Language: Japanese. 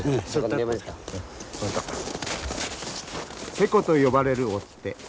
勢子と呼ばれる追っ手。